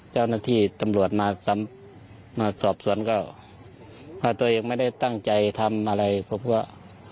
เจ้าหน้าที่ตำรวจมาสอบสวนก็ว่าตัวเองไม่ได้ตั้งใจทำอะไรเพราะว่า